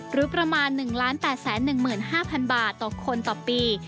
หรือประมาณ๑๘๑๕๐๐๐บาทต่อคนต่อปี